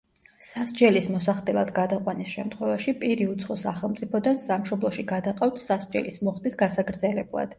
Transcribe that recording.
სასჯელის მოსახდელად გადაყვანის შემთხვევაში, პირი უცხო სახელმწიფოდან სამშობლოში გადაყავთ სასჯელის მოხდის გასაგრძელებლად.